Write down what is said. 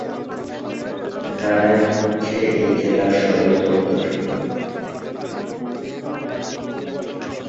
নারায়ণ হচ্ছে এই জেলার সদরদপ্তর।